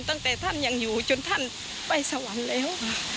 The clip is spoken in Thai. ตั้งแต่ท่านยังอยู่จนท่านไปสวรรค์แล้ว